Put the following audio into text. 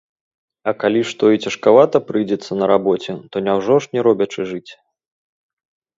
А калі што і цяжкавата прыйдзецца на рабоце, то няўжо ж не робячы жыць?